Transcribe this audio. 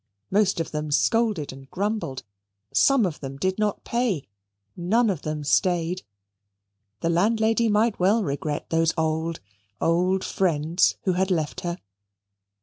Most of them scolded and grumbled; some of them did not pay; none of them stayed. The landlady might well regret those old, old friends, who had left her.